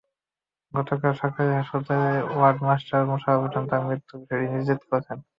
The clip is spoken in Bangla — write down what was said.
গতকাল সকালে হাসপাতালের ওয়ার্ড মাস্টার মোশাররফ হোসেন তাঁর মৃত্যুর বিষয়টি নিশ্চিত করেছেন।